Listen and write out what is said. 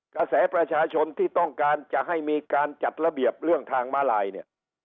กระแสประชาชนที่ต้องการจะให้มีการจัดระเบียบเรื่องทางมาลายเนี่ย